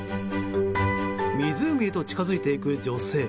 湖へと近づいていく女性。